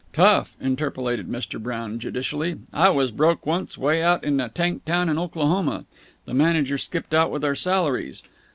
"Tough!" interpolated Mr. Brown judicially. "I was broke once way out in a tank town in Oklahoma. The manager skipped with our salaries.